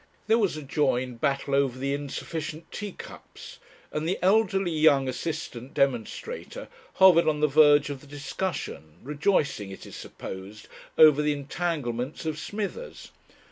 There was a joined battle over the insufficient tea cups, and the elderly young assistant demonstrator hovered on the verge of the discussion, rejoicing, it is supposed, over the entanglements of Smithers.